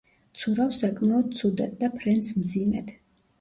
ცურავს საკმაოდ ცუდად და ფრენს მძიმედ.